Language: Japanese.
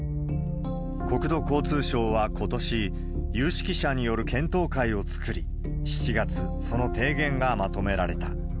国土交通省はことし、有識者による検討会を作り、７月、その提言がまとめられた。